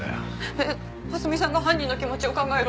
えっ蓮見さんが犯人の気持ちを考えろって。